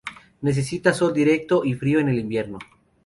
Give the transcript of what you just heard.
Necesita sol directo y frío en el invierno.